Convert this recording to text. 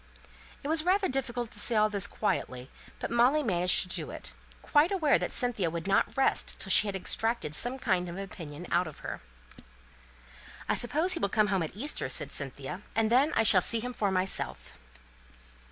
It was rather difficult to say all this quietly, but Molly managed to do it, quite aware that Cynthia would not rest till she had extracted some kind of an opinion out of her. "I suppose he will come home at Easter," said Cynthia, "and then I shall see him for myself."